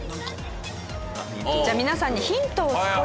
じゃあ皆さんにヒントを少し。